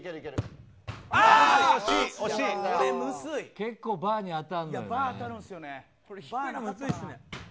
結構バーに当たんねんね。